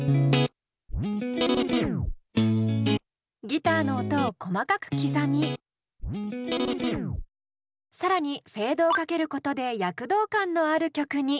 ギターの音を細かく刻み更にフェードをかけることで躍動感のある曲に。